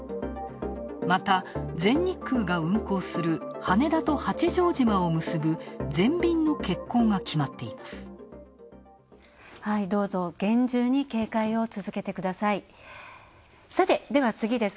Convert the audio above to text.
また、全日空が運航する羽田と八丈島を結ぶ全便の欠航が決まっています。